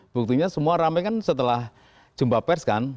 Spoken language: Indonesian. buktinya semua rame kan setelah jumpa pers kan